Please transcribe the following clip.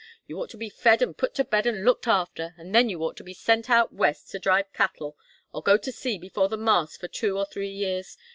You ought to be fed and put to bed and looked after, and then you ought to be sent out West to drive cattle, or go to sea before the mast for two or three years.